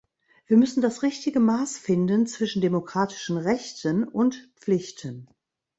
Wir müssen das richtige Maß finden zwischen demokratischen Rechten und Pflichten.